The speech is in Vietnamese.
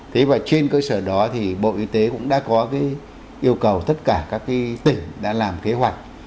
thế và trên cơ sở đó thì bộ y tế cũng đã có yêu cầu tất cả các tỉnh đã làm kế hoạch